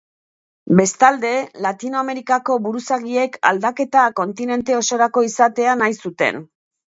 Bestalde, Latinoamerikako buruzagiek aldaketa kontinente osorako izatea nahi zuten.